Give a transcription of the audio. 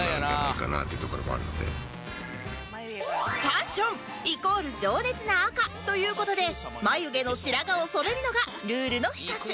パッションイコール情熱の赤という事で眉毛の白髪を染めるのがルールの一つ